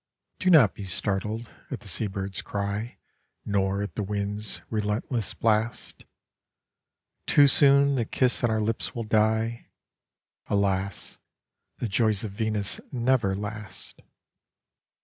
Do not be startled at the seablrd's cry Nor at the wind's relentless blast, Too soon the kiss on our lips will die, Alas, the joys of Venus never last!